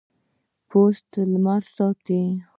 پوست د لمر ساتي.